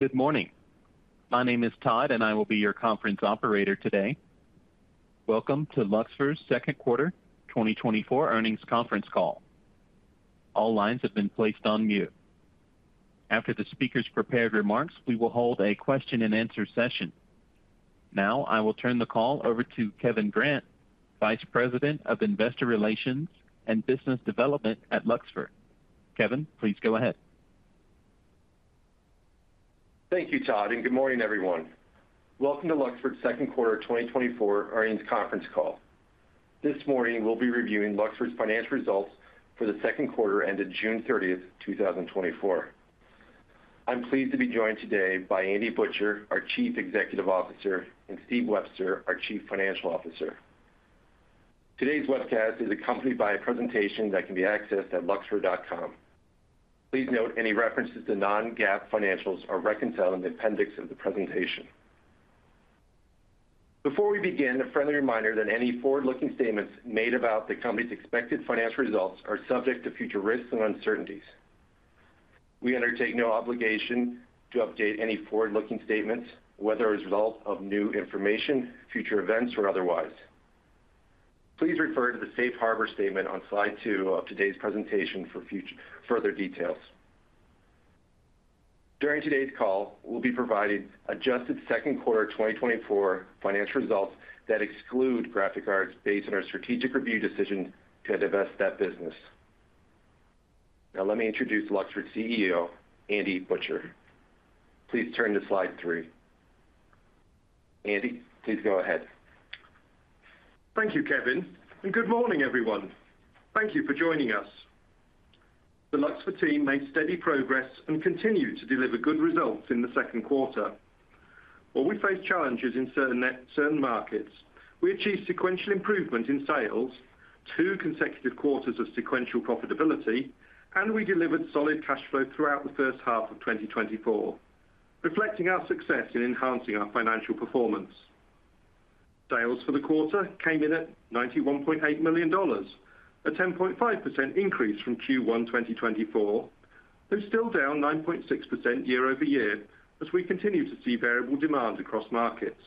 Good morning. My name is Todd, and I will be your conference operator today. Welcome to Luxfer's second quarter 2024 earnings conference call. All lines have been placed on mute. After the speaker's prepared remarks, we will hold a question-and-answer session. Now, I will turn the call over to Kevin Grant, Vice President of Investor Relations and Business Development at Luxfer. Kevin, please go ahead. Thank you, Todd, and good morning, everyone. Welcome to Luxfer's second quarter 2024 earnings conference call. This morning, we'll be reviewing Luxfer's financial results for the second quarter ended June 30, 2024. I'm pleased to be joined today by Andy Butcher, our Chief Executive Officer, and Steve Webster, our Chief Financial Officer. Today's webcast is accompanied by a presentation that can be accessed at luxfer.com. Please note any references to non-GAAP financials are reconciled in the appendix of the presentation. Before we begin, a friendly reminder that any forward-looking statements made about the company's expected financial results are subject to future risks and uncertainties. We undertake no obligation to update any forward-looking statements, whether as a result of new information, future events, or otherwise. Please refer to the safe harbor statement on slide two of today's presentation for further details. During today's call, we'll be providing adjusted second quarter 2024 financial results that exclude Graphic Arts based on our strategic review decision to divest that business. Now, let me introduce Luxfer's CEO, Andy Butcher. Please turn to slide three. Andy, please go ahead. Thank you, Kevin, and good morning, everyone. Thank you for joining us. The Luxfer team made steady progress and continued to deliver good results in the second quarter. While we faced challenges in certain markets, we achieved sequential improvement in sales, two consecutive quarters of sequential profitability, and we delivered solid cash flow throughout the first half of 2024, reflecting our success in enhancing our financial performance. Sales for the quarter came in at $91.8 million, a 10.5% increase from Q1 2024, though still down 9.6% year over year as we continue to see variable demand across markets.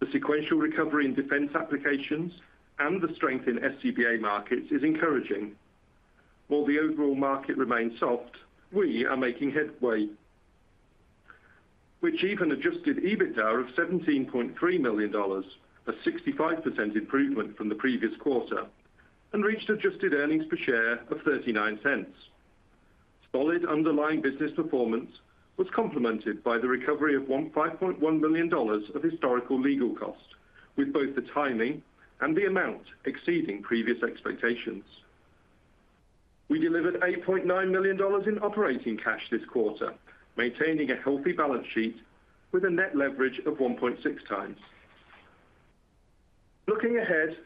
The sequential recovery in defense applications and the strength in SCBA markets is encouraging. While the overall market remains soft, we are making headway. We achieved an Adjusted EBITDA of $17.3 million, a 65% improvement from the previous quarter, and reached adjusted earnings per share of $0.39. Solid underlying business performance was complemented by the recovery of $5.1 million of historical legal cost, with both the timing and the amount exceeding previous expectations. We delivered $8.9 million in operating cash this quarter, maintaining a healthy balance sheet with a net leverage of 1.6x. Looking ahead,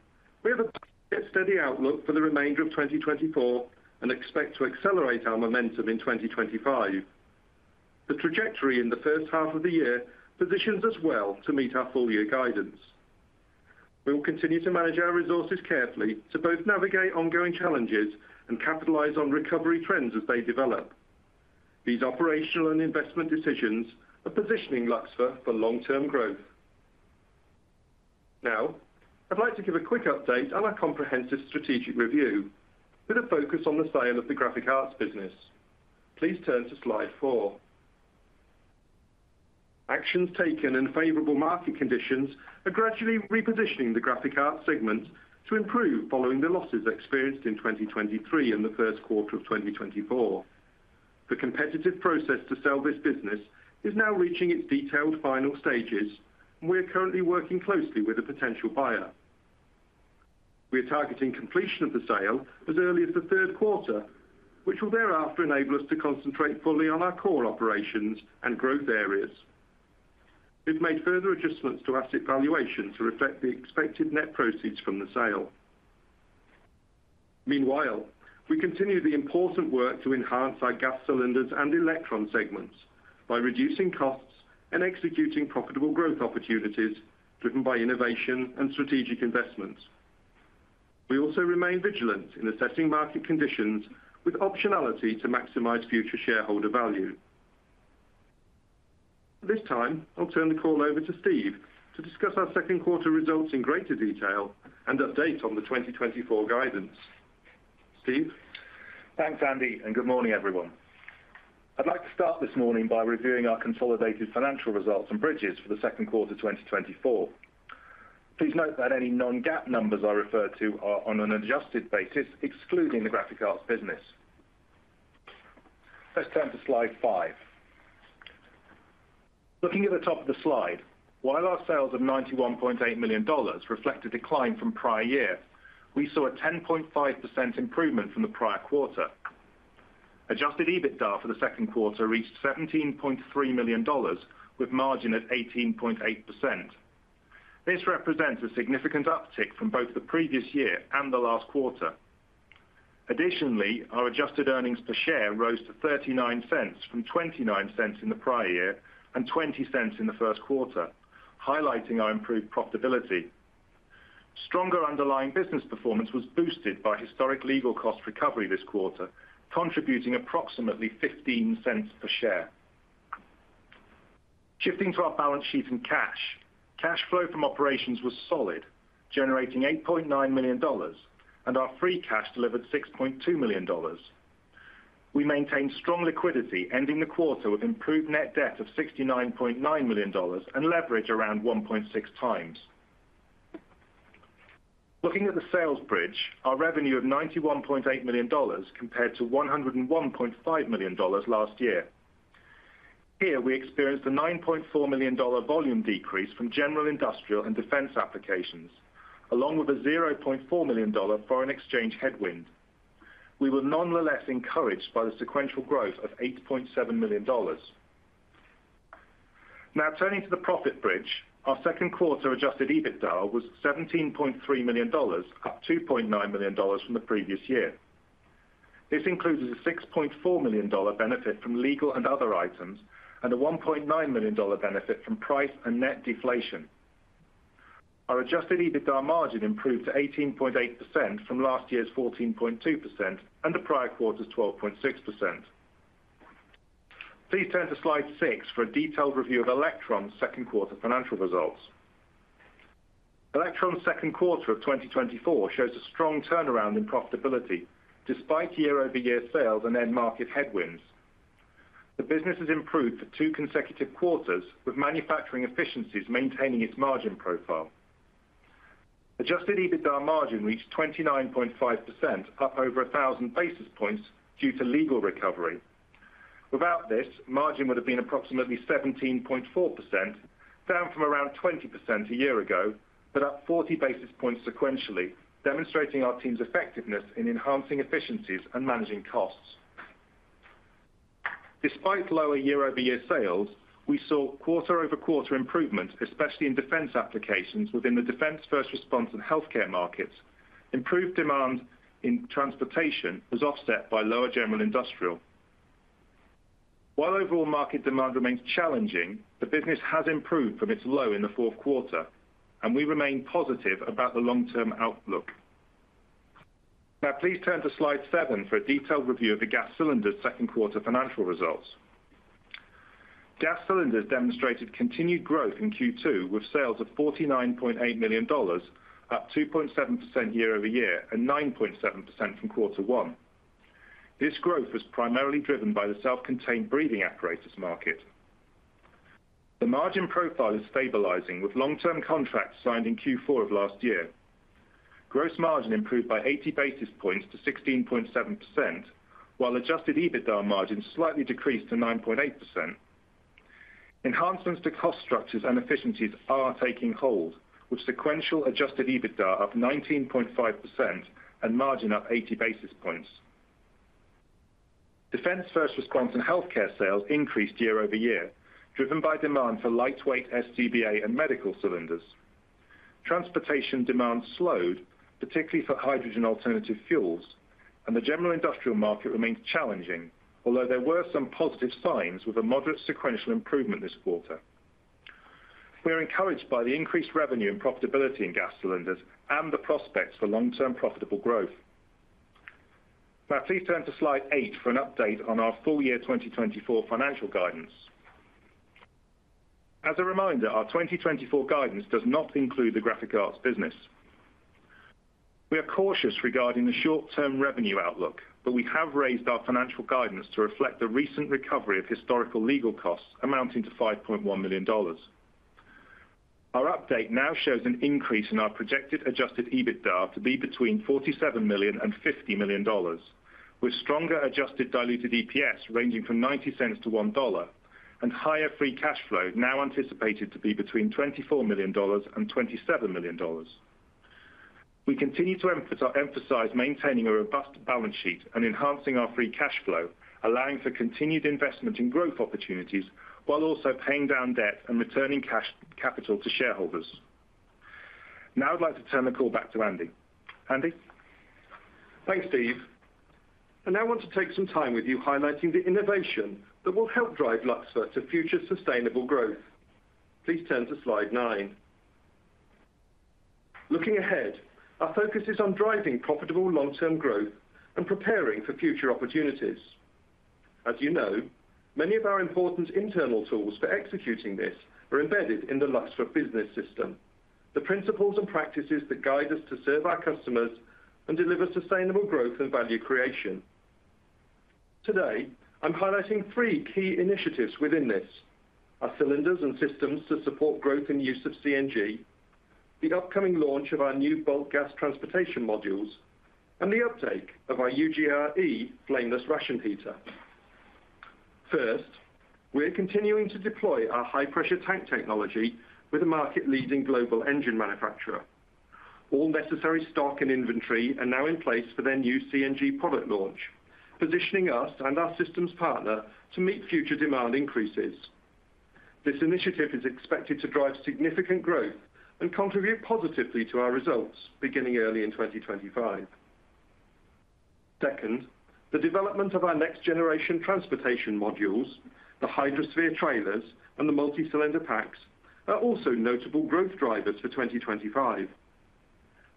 we have a steady outlook for the remainder of 2024 and expect to accelerate our momentum in 2025. The trajectory in the first half of the year positions us well to meet our full-year guidance. We will continue to manage our resources carefully to both navigate ongoing challenges and capitalize on recovery trends as they develop. These operational and investment decisions are positioning Luxfer for long-term growth. Now, I'd like to give a quick update on our comprehensive strategic review with a focus on the sale of the Graphic Arts business. Please turn to slide four. Actions taken in favorable market conditions are gradually repositioning the Graphic Arts segment to improve following the losses experienced in 2023 and the first quarter of 2024. The competitive process to sell this business is now reaching its detailed final stages, and we are currently working closely with a potential buyer. We are targeting completion of the sale as early as the third quarter, which will thereafter enable us to concentrate fully on our core operations and growth areas. We've made further adjustments to asset valuation to reflect the expected net proceeds from the sale. Meanwhile, we continue the important work to enhance our Gas Cylinders and Electron segments by reducing costs and executing profitable growth opportunities driven by innovation and strategic investments. We also remain vigilant in assessing market conditions with optionality to maximize future shareholder value. This time, I'll turn the call over to Steve to discuss our second quarter results in greater detail and update on the 2024 guidance. Steve? Thanks, Andy, and good morning, everyone. I'd like to start this morning by reviewing our consolidated financial results and bridges for the second quarter 2024. Please note that any non-GAAP numbers I refer to are on an adjusted basis, excluding the Graphic Arts business. Let's turn to slide five. Looking at the top of the slide, while our sales of $91.8 million reflect a decline from prior year, we saw a 10.5% improvement from the prior quarter. Adjusted EBITDA for the second quarter reached $17.3 million, with margin at 18.8%. This represents a significant uptick from both the previous year and the last quarter. Additionally, our adjusted earnings per share rose to $0.39 from $0.29 in the prior year and $0.20 in the first quarter, highlighting our improved profitability. Stronger underlying business performance was boosted by historic legal cost recovery this quarter, contributing approximately $0.15 per share. Shifting to our balance sheet and cash, cash flow from operations was solid, generating $8.9 million, and our free cash delivered $6.2 million. We maintained strong liquidity, ending the quarter with improved net debt of $69.9 million and leverage around 1.6x. Looking at the sales bridge, our revenue of $91.8 million compared to $101.5 million last year. Here, we experienced a $9.4 million volume decrease from general industrial and defense applications, along with a $0.4 million foreign exchange headwind. We were nonetheless encouraged by the sequential growth of $8.7 million. Now, turning to the profit bridge, our second quarter Adjusted EBITDA was $17.3 million, up $2.9 million from the previous year. This includes a $6.4 million benefit from legal and other items and a $1.9 million benefit from price and net deflation. Our Adjusted EBITDA margin improved to 18.8% from last year's 14.2% and the prior quarter's 12.6%. Please turn to slide six for a detailed review of Electron's second quarter financial results. Electron's second quarter of 2024 shows a strong turnaround in profitability despite year-over-year sales and end market headwinds. The business has improved for two consecutive quarters, with manufacturing efficiencies maintaining its margin profile. Adjusted EBITDA margin reached 29.5%, up over 1,000 basis points due to legal recovery. Without this, margin would have been approximately 17.4%, down from around 20% a year ago, but up 40 basis points sequentially, demonstrating our team's effectiveness in enhancing efficiencies and managing costs. Despite lower year-over-year sales, we saw quarter-over-quarter improvement, especially in defense applications within the defense, first response, and healthcare markets. Improved demand in transportation was offset by lower general industrial. While overall market demand remains challenging, the business has improved from its low in the fourth quarter, and we remain positive about the long-term outlook. Now, please turn to slide seven for a detailed review of the Gas Cylinders' second quarter financial results. Gas Cylinders demonstrated continued growth in Q2, with sales of $49.8 million, up 2.7% year-over-year and 9.7% from quarter one. This growth was primarily driven by the self-contained breathing apparatus market. The margin profile is stabilizing with long-term contracts signed in Q4 of last year. Gross margin improved by 80 basis points to 16.7%, while Adjusted EBITDA margin slightly decreased to 9.8%. Enhancements to cost structures and efficiencies are taking hold, with sequential Adjusted EBITDA up 19.5% and margin up 80 basis points. Defense, first response, and healthcare sales increased year-over-year, driven by demand for lightweight SCBA and medical cylinders. Transportation demand slowed, particularly for hydrogen alternative fuels, and the general industrial market remains challenging, although there were some positive signs with a moderate sequential improvement this quarter. We are encouraged by the increased revenue and profitability in gas cylinders and the prospects for long-term profitable growth. Now, please turn to slide eight for an update on our full-year 2024 financial guidance. As a reminder, our 2024 guidance does not include the graphic arts business. We are cautious regarding the short-term revenue outlook, but we have raised our financial guidance to reflect the recent recovery of historical legal costs amounting to $5.1 million. Our update now shows an increase in our projected Adjusted EBITDA to be between $47 million-$50 million, with stronger adjusted diluted EPS ranging from $0.90-$1 and higher free cash flow now anticipated to be between $24 million-$27 million. We continue to emphasize maintaining a robust balance sheet and enhancing our Free Cash Flow, allowing for continued investment in growth opportunities while also paying down debt and returning cash capital to shareholders. Now, I'd like to turn the call back to Andy. Andy? Thanks, Steve. And I want to take some time with you highlighting the innovation that will help drive Luxfer to future sustainable growth. Please turn to slide nine. Looking ahead, our focus is on driving profitable long-term growth and preparing for future opportunities. As you know, many of our important internal tools for executing this are embedded in the Luxfer Business System, the principles and practices that guide us to serve our customers and deliver sustainable growth and value creation. Today, I'm highlighting three key initiatives within this: our cylinders and systems to support growth and use of CNG, the upcoming launch of our new bulk gas transportation modules, and the uptake of our UGR-E flameless ration heater. First, we're continuing to deploy our high-pressure tank technology with a market-leading global engine manufacturer. All necessary stock and inventory are now in place for their new CNG product launch, positioning us and our systems partner to meet future demand increases. This initiative is expected to drive significant growth and contribute positively to our results beginning early in 2025. Second, the development of our next-generation transportation modules, the Hydrosphere trailers, and the multi-cylinder packs are also notable growth drivers for 2025.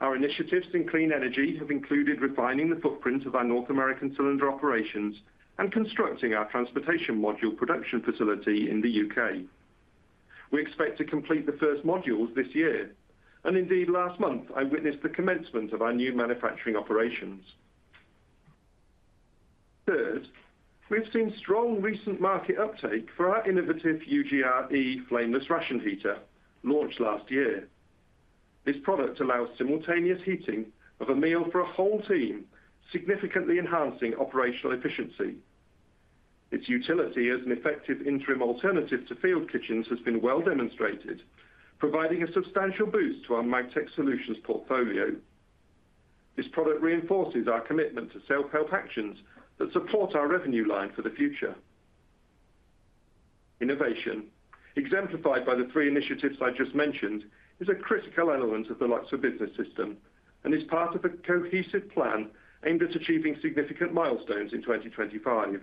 Our initiatives in clean energy have included refining the footprint of our North American cylinder operations and constructing our transportation module production facility in the U.K. We expect to complete the first modules this year, and indeed, last month, I witnessed the commencement of our new manufacturing operations. Third, we have seen strong recent market uptake for our innovative UGR-E flameless ration heater, launched last year. This product allows simultaneous heating of a meal for a whole team, significantly enhancing operational efficiency. Its utility as an effective interim alternative to field kitchens has been well demonstrated, providing a substantial boost to our Magtech Solutions portfolio. This product reinforces our commitment to self-help actions that support our revenue line for the future. Innovation, exemplified by the three initiatives I just mentioned, is a critical element of the Luxfer Business System and is part of a cohesive plan aimed at achieving significant milestones in 2025.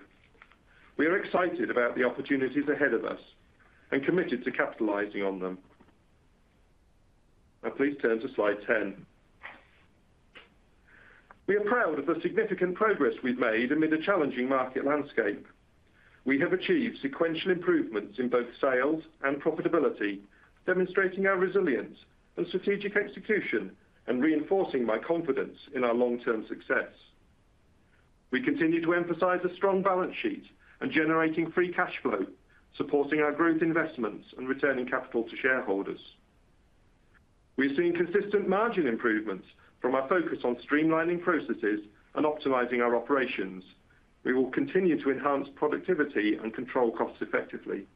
We are excited about the opportunities ahead of us and committed to capitalizing on them. Now, please turn to slide 10. We are proud of the significant progress we've made amid a challenging market landscape. We have achieved sequential improvements in both sales and profitability, demonstrating our resilience and strategic execution and reinforcing my confidence in our long-term success. We continue to emphasize a strong balance sheet and generating Free Cash Flow, supporting our growth investments and returning capital to shareholders. We are seeing consistent margin improvements from our focus on streamlining processes and optimizing our operations. We will continue to enhance productivity and control costs effectively.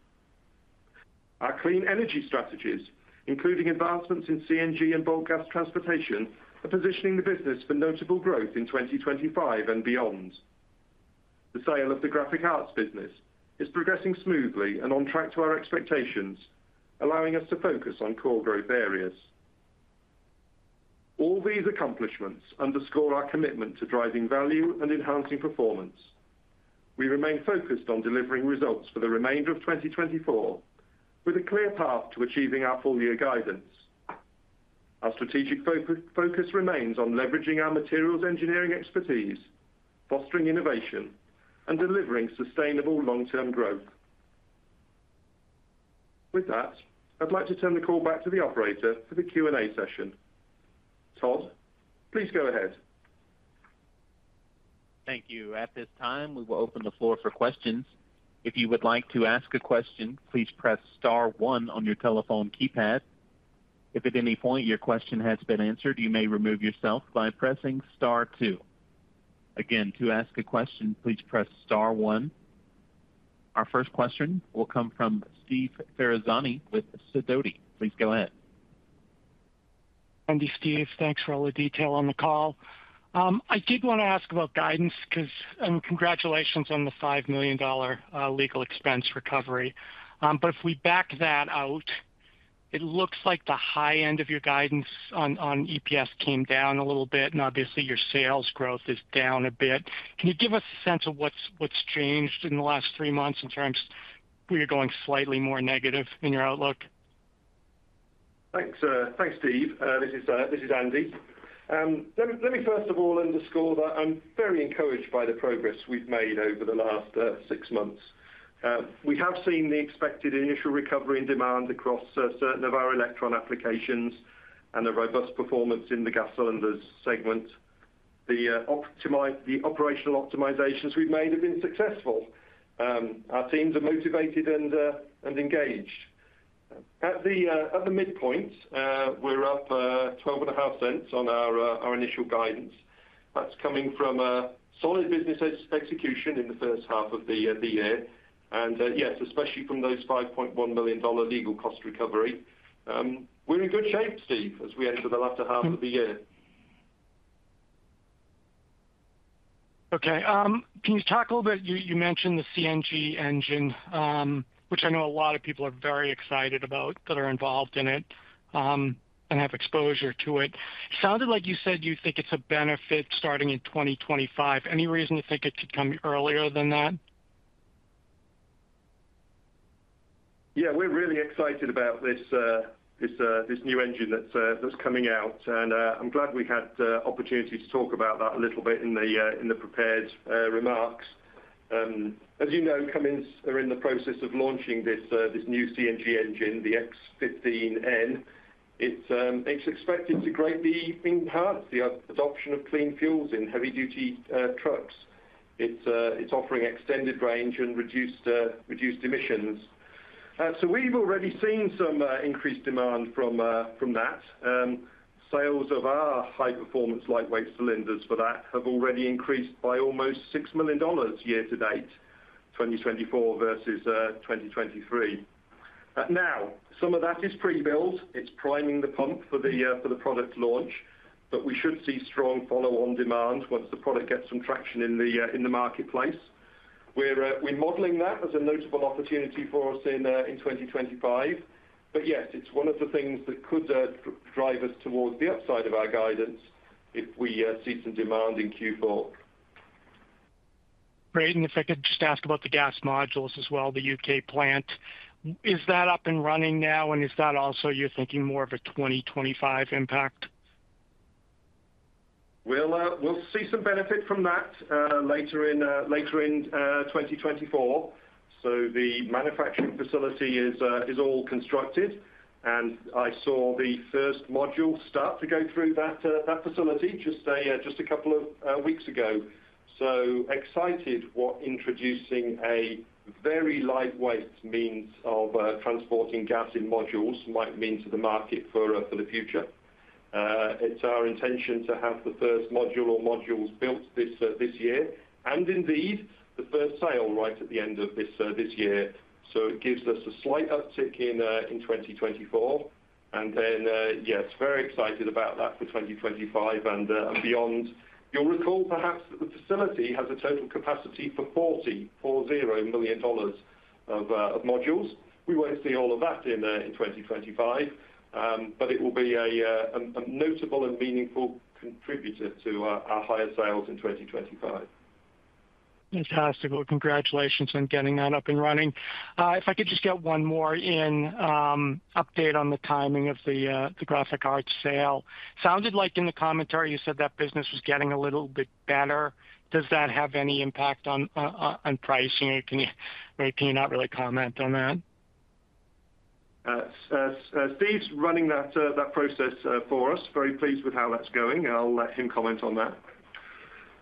Our clean energy strategies, including advancements in CNG and bulk gas transportation, are positioning the business for notable growth in 2025 and beyond. The sale of the Graphic Arts business is progressing smoothly and on track to our expectations, allowing us to focus on core growth areas. All these accomplishments underscore our commitment to driving value and enhancing performance. We remain focused on delivering results for the remainder of 2024, with a clear path to achieving our full-year guidance. Our strategic focus remains on leveraging our materials engineering expertise, fostering innovation, and delivering sustainable long-term growth. With that, I'd like to turn the call back to the operator for the Q&A session. Todd, please go ahead. Thank you. At this time, we will open the floor for questions. If you would like to ask a question, please press star one on your telephone keypad. If at any point your question has been answered, you may remove yourself by pressing star two. Again, to ask a question, please press star one. Our first question will come from Steve Ferazani with Sidoti. Please go ahead. Andy, Steve, thanks for all the detail on the call. I did want to ask about guidance because, and congratulations on the $5 million legal expense recovery. But if we back that out, it looks like the high end of your guidance on EPS came down a little bit, and obviously, your sales growth is down a bit. Can you give us a sense of what's changed in the last three months in terms of where you're going slightly more negative in your outlook? Thanks, Steve. This is Andy. Let me, first of all, underscore that I'm very encouraged by the progress we've made over the last six months. We have seen the expected initial recovery in demand across certain of our Electron applications and the robust performance in the Gas Cylinders segment. The operational optimizations we've made have been successful. Our teams are motivated and engaged. At the midpoint, we're up $0.125 on our initial guidance. That's coming from solid business execution in the first half of the year. And yes, especially from those $5.1 million legal cost recovery. We're in good shape, Steve, as we enter the latter half of the year. Okay. Can you talk a little bit? You mentioned the CNG engine, which I know a lot of people are very excited about, that are involved in it and have exposure to it. Sounded like you said you think it's a benefit starting in 2025. Any reason to think it could come earlier than that? Yeah, we're really excited about this new engine that's coming out, and I'm glad we had the opportunity to talk about that a little bit in the prepared remarks. As you know, Cummins are in the process of launching this new CNG engine, the X15N. It's expected to greatly impact the adoption of clean fuels in heavy-duty trucks. It's offering extended range and reduced emissions. So we've already seen some increased demand from that. Sales of our high-performance lightweight cylinders for that have already increased by almost $6 million year-to-date, 2024 versus 2023. Now, some of that is pre-built. It's priming the pump for the product launch, but we should see strong follow-on demand once the product gets some traction in the marketplace. We're modeling that as a notable opportunity for us in 2025. But yes, it's one of the things that could drive us towards the upside of our guidance if we see some demand in Q4. Great. If I could just ask about the gas modules as well, the U.K. plant. Is that up and running now, and is that also you're thinking more of a 2025 impact? We'll see some benefit from that later in 2024. So the manufacturing facility is all constructed, and I saw the first module start to go through that facility just a couple of weeks ago. So excited what introducing a very lightweight means of transporting gas in modules might mean to the market for the future. It's our intention to have the first module or modules built this year, and indeed, the first sale right at the end of this year. So it gives us a slight uptick in 2024. And then, yes, very excited about that for 2025 and beyond. You'll recall perhaps that the facility has a total capacity for $40 million of modules. We won't see all of that in 2025, but it will be a notable and meaningful contributor to our higher sales in 2025. Fantastic. Well, congratulations on getting that up and running. If I could just get one more update on the timing of the Graphic Arts sale. Sounded like in the commentary you said that business was getting a little bit better. Does that have any impact on pricing, or can you not really comment on that? Steve's running that process for us. Very pleased with how that's going. I'll let him comment on that.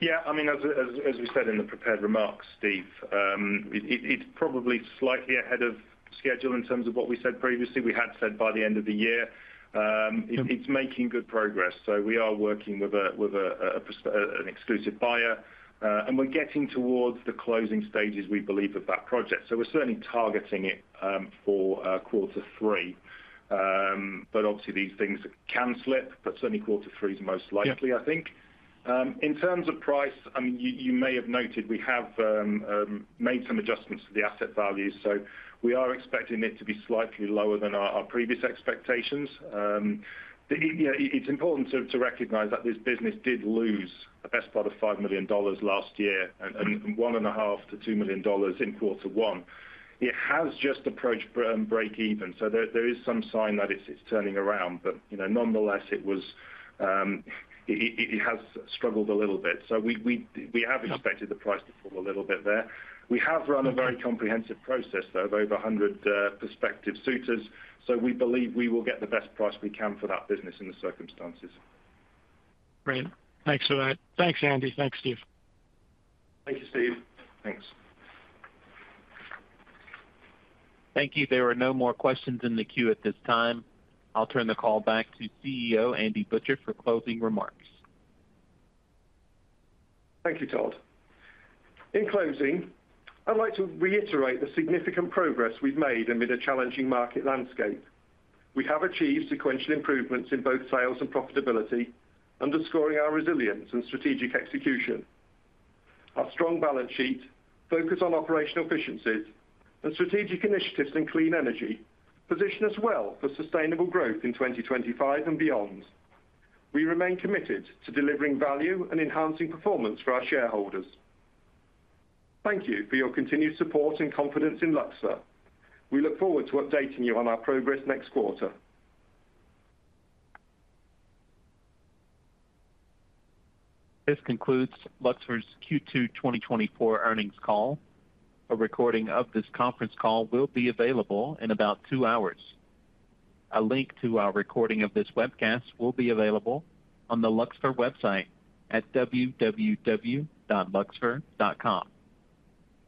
Yeah, I mean, as we said in the prepared remarks, Steve, it's probably slightly ahead of schedule in terms of what we said previously. We had said by the end of the year, it's making good progress. So we are working with an exclusive buyer, and we're getting towards the closing stages, we believe, of that project. So we're certainly targeting it for quarter three. But obviously, these things can slip, but certainly quarter three is most likely, I think. In terms of price, I mean, you may have noted we have made some adjustments to the asset values. So we are expecting it to be slightly lower than our previous expectations. It's important to recognize that this business did lose the best part of $5 million last year and $1.5-$2 million in quarter one. It has just approached break-even. So there is some sign that it's turning around, but nonetheless, it has struggled a little bit. So we have expected the price to fall a little bit there. We have run a very comprehensive process, though, of over 100 prospective suitors. So we believe we will get the best price we can for that business in the circumstances. Great. Thanks for that. Thanks, Andy. Thanks, Steve. Thank you, Steve. Thanks. Thank you. There are no more questions in the queue at this time. I'll turn the call back to CEO Andy Butcher for closing remarks. Thank you, Todd. In closing, I'd like to reiterate the significant progress we've made amid a challenging market landscape. We have achieved sequential improvements in both sales and profitability, underscoring our resilience and strategic execution. Our strong balance sheet, focus on operational efficiencies, and strategic initiatives in clean energy position us well for sustainable growth in 2025 and beyond. We remain committed to delivering value and enhancing performance for our shareholders. Thank you for your continued support and confidence in Luxfer. We look forward to updating you on our progress next quarter. This concludes Luxfer's Q2 2024 earnings call. A recording of this conference call will be available in about two hours. A link to our recording of this webcast will be available on the Luxfer website at www.luxfer.com.